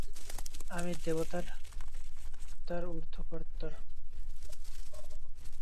আমি দেবতার উদ্ধারকর্তা।